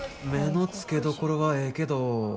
目の付けどころはええけど